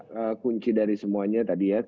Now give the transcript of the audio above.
karena kunci dari semuanya tadi ya